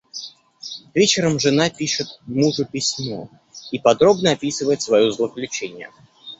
Вечером жена пишет мужу письмо и подробно описывает своё злоключение.